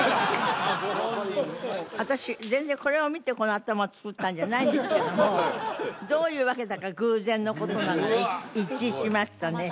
私全然これを見てこの頭をつくったんじゃないんですけどもどういうわけだか偶然のことながら一致しましたね